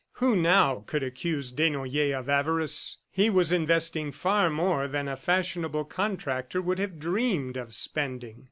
Who now could accuse Desnoyers of avarice? ... He was investing far more than a fashionable contractor would have dreamed of spending.